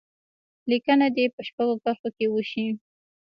لیکنه دې په شپږو کرښو کې وشي.